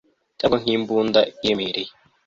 Cyangwa nkimbunda iremereye